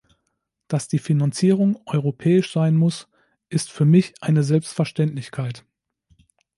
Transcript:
Dass die Finanzierung europäisch sein muss, ist für mich eine Selbstverständlichkeit.